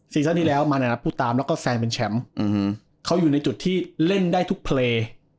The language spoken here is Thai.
ซั่นที่แล้วมาในนัดพูดตามแล้วก็แซงเป็นแชมป์เขาอยู่ในจุดที่เล่นได้ทุกเพลง